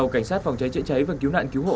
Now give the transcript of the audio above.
cảnh sát phòng cháy chữa cháy và cứu nạn cứu hộ